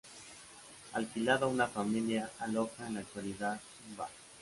Alquilado a una familia, aloja en la actualidad un bar.